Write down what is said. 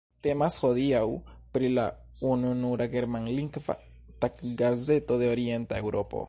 Temas hodiaŭ pri la ununura germanlingva taggazeto de Orienta Eŭropo.